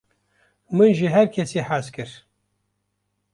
min ji herkesî hez kir